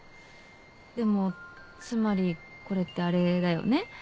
でもつまりこれってあれだよね。